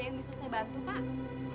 yang bisa saya bantu pak